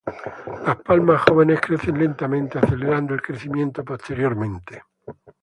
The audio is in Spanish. Las palmas jóvenes crecen lentamente, acelerando el crecimiento posteriormente.